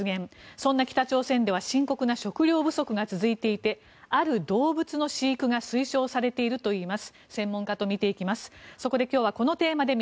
そんな北朝鮮では深刻な食糧不足が続いていてある動物の飼育が推奨されているといいます。